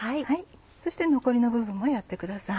そして残りの部分もやってください。